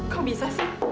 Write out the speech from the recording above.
kok bisa sih